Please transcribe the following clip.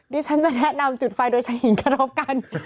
นี่ฉันจะแนะนำจุดไฟโดยชะหินกันรอบกัน